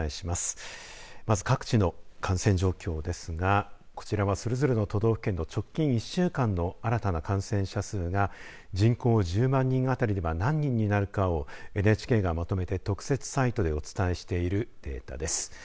まず、各地の感染状況ですがこちらは、それぞれの都道府県の直近１週間の新たな感染者数が人口１０万人あたりでは何人になるかをＮＨＫがまとめて特設サイトでお伝えしているデータです。